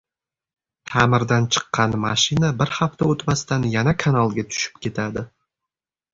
Ta`mirdan chiqqan mashina bir hafta o`tmasdan yana kanalga tushib ketadi